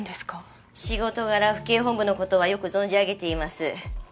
仕事柄府警本部の事はよく存じ上げています。